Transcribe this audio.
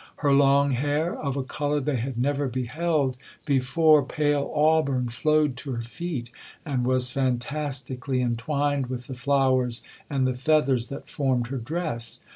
Her long hair, of a colour they had never beheld before, pale auburn, flowed to her feet, and was fantastically entwined with the flowers and the feathers that formed her dress.